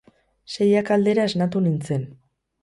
Seiak aldera esnatu nintzen.